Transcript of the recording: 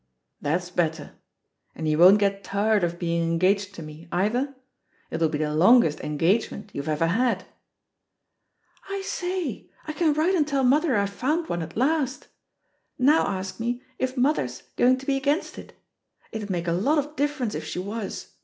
"That's better. And you won't get tired of being engaged to me, either? It'll be the longest 'engagement' you've ever had I" "I say, I can write and tell mother I've found one at last I Now ask me if mother's going to be against it. It'd make a lot of difference if she was.